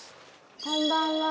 こんばんは。